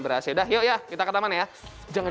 beras ya yuk kita ke taman ya jangan